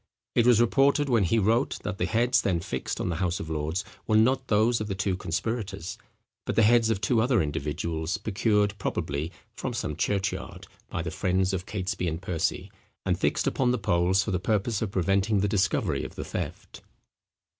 It was reported when he wrote, that the heads then fixed on the House of Lords were not those of the two conspirators, but the heads of two other individuals procured, probably, from some church yard, by the friends of Catesby and Percy, and fixed upon the poles for the purpose of preventing the discovery of the theft.